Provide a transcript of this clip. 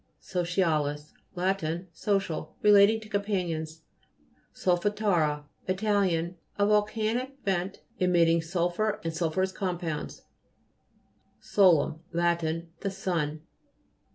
SOCIA'LIS Lat. Social ; relating to companions. SOLFATA'RA It. A volcanic vent emitting sulphur and sulphurous compounds (p. 115). SOLEM Lat. The sun.